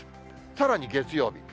さらに月曜日。